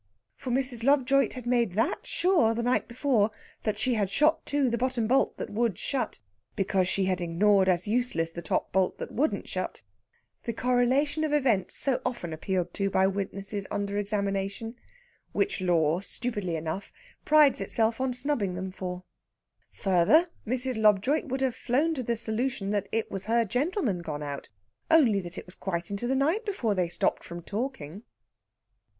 For Mrs. Lobjoit had made that sure, the night before, that she had "shot to" the bottom bolt that would shet, because she had ignored as useless the top bolt that wouldn't shet the correlation of events so often appealed to by witnesses under examination; which Law, stupidly enough, prides itself on snubbing them for. Further, Mrs. Lobjoit would have flown to the solution that it was her gentleman gone out, only that it was quite into the night before they stopped from talking.